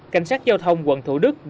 cảnh sát giao thông quận thủ đức